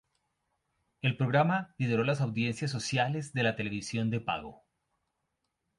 El programa lideró las audiencias sociales de la televisión de pago.